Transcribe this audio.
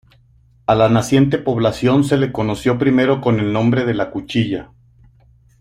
A la naciente población se le conoció primero con el nombre de La Cuchilla.